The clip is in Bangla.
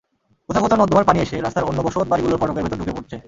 কোথাও কোথাও নর্দমার পানি এসে রাস্তার অন্য বসতবাড়িগুলোর ফটকের ভেতরে ঢুকে পড়ছে।